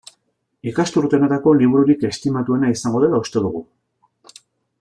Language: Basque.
Ikasturte honetako libururik estimatuena izango dela uste dugu.